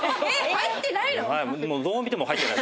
入ってないの？